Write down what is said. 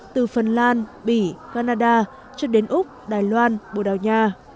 từ phần lan bỉ canada cho đến úc đài loan bồ đào nha